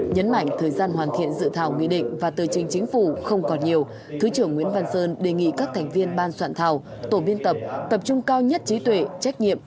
nhấn mạnh thời gian hoàn thiện dự thảo nghị định và tờ trình chính phủ không còn nhiều thứ trưởng nguyễn văn sơn đề nghị các thành viên ban soạn thảo tổ biên tập tập trung cao nhất trí tuệ trách nhiệm